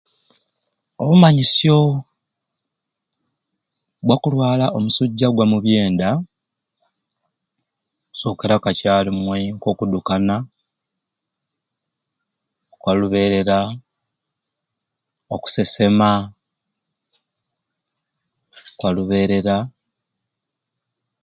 Obumanyisyo obwakulwala omusujja gwa mu byenda okusookera kakyalumwe okudukana kwalubeerera okusesema kwa lubeerera.